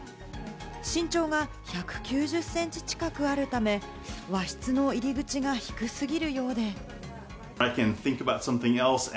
身長が１９０センチ近くあるため、和室の入り口が低すぎるようで。